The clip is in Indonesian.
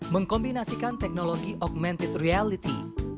mengkombinasikan teknologi augmented reality